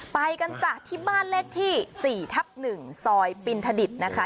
ไปกันจ้ะที่บ้านเลขที่๔ทับ๑ซอยปินทดิตนะคะ